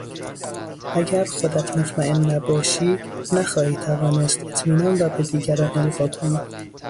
اگر خودت مطمئن نباشی نخواهی توانست اطمینان را به دیگران القا کنی.